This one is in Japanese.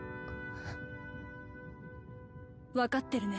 分かってるね？